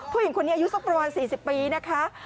ผู้หญิงคนนี้อายุสักประมาณ๔๐ปีนะคะ